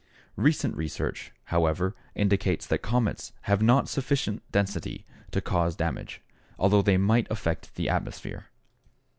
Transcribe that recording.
Recent research, however, indicates that comets have not sufficient density to cause damage, although they might affect the atmosphere.